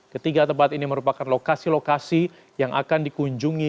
ketiga tempat ini merupakan lokasi lokasi yang akan dikunjungi